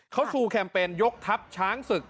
เขาชูแคมเปญยกทัพช้างศึก